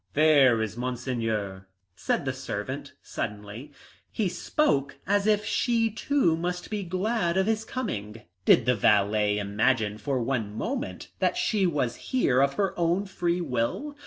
"There is Monseigneur," said the servant suddenly. He spoke as if she, too, must be glad of his coming. Did the valet imagine for one moment that she was here of her own free will?